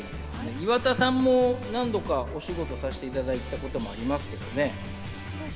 岩田さんも何度かお仕事させていただいたことありますけどね。